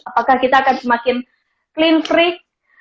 apakah kita akan semakin clean frake